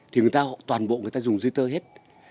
thì người ta toàn bộ người ta dùng di tơ hết